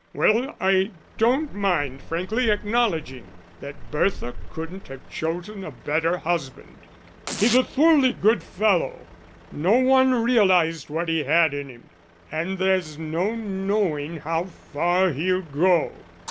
Well, I don't mind frankly acknowledging that Bertha couldn't have chosen a better husband; he's a thoroughly good fellow; no one realised what he had in him, and there's no knowing how far he'll go."